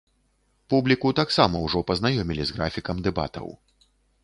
Публіку таксама ўжо пазнаёмілі з графікам дэбатаў.